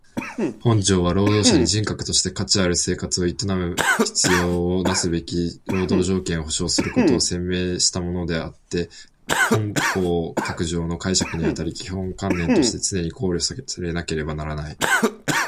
本条は労働者に人格として価値ある生活を営む必要を充すべき労働条件を保障することを宣明したものであつて本法各条の解釈にあたり基本観念として常に考慮されなければならない。